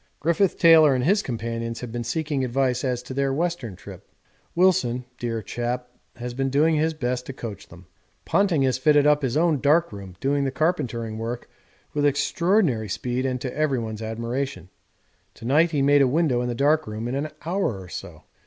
Griffith Taylor and his companions have been seeking advice as to their Western trip. Wilson, dear chap, has been doing his best to coach them. Ponting has fitted up his own dark room doing the carpentering work with extraordinary speed and to everyone's admiration. To night he made a window in the dark room in an hour or so.